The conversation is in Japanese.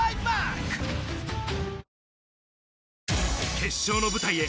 決勝の舞台へ。